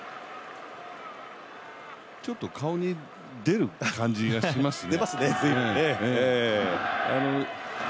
ちょっと顔に出る感じがしますね。